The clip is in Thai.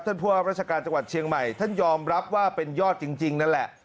ผู้ว่าราชการจังหวัดเชียงใหม่ท่านยอมรับว่าเป็นยอดจริงนั่นแหละ